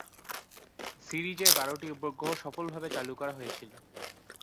সিরিজের বারোটি উপগ্রহ সফলভাবে চালু করা হয়েছিল।